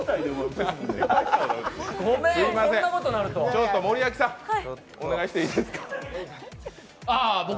ちょっと森脇さん、お願いしていいですか。